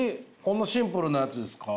このシンプルなやつですか？